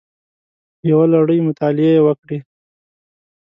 یوه لړۍ مطالعې یې وکړې